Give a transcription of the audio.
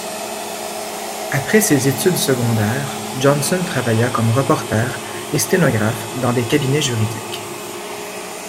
Après ses études secondaires, Johnson travailla comme reporter et sténographe dans des cabinets juridiques.